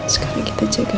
sekarang kita jaga